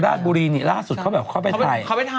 ราชบุรีนี่ล่าสุดเขาแบบเขาไปถ่าย